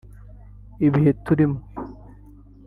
”Ibihe turimo